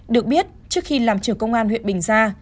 được biết trước khi làm trưởng công an huyện bình gia